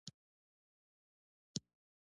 د اندخوی کشمش مشهور دي